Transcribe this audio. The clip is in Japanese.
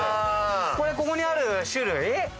これここにある種類？